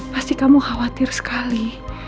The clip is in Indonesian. pasti kamu khawatir sekali